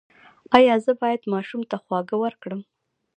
ایا زه باید ماشوم ته خواږه ورکړم؟